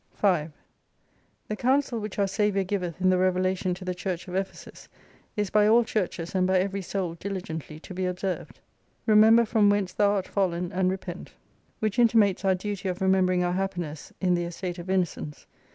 5 The counsel which our Saviour giveth in the Revela tion to the Church of Ephesus, is by all churches, and by every Soul diligently to be observed : Remember 82 from whence thou art fallen^ and repent. Which intimates our duty of remembering our happiness in the estate ol innocence.